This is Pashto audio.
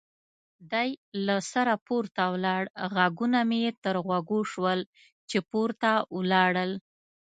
دی له سره پورته ولاړ، غږونه مې یې تر غوږو شول چې پورته ولاړل.